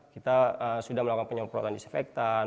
kita sudah melakukan penyemprotan disinfektan